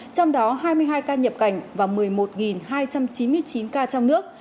trong đó hai mươi hai ca nhập cảnh và một mươi một hai trăm chín mươi chín ca trong nước